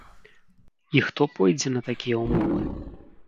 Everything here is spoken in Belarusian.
І хто пойдзе на такія ўмовы?